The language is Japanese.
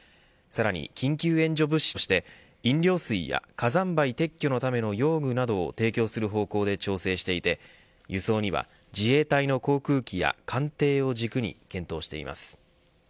さらに、緊急援助物資として飲料水や火山灰撤去のための用具などを提供をする方向で調整していて輸送には自衛隊の航空機や艦艇を軸に検討しています。